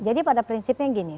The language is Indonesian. jadi pada prinsipnya gini